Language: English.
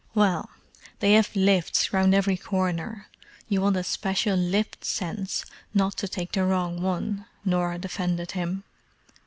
"Well, they have lifts round every corner: you want a special lift sense not to take the wrong one," Norah defended him.